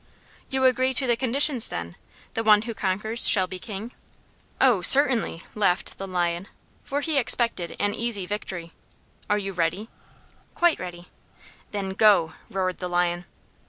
"You agree to the conditions, then? The one who conquers shall be King?" "Oh, certainly," laughed the Lion, for he expected an easy victory. "Are you ready?" "Quite ready." "Then GO!" roared the Lion.